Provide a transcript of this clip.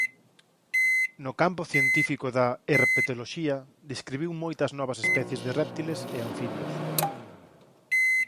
No campo científico da herpetoloxía describiu moitas novas especies de réptiles e anfibios.